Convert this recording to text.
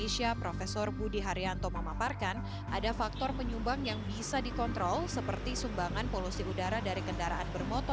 jadi itu yang kita khawatirkan